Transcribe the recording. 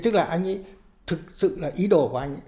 tức là anh ý thực sự là ý đồ của anh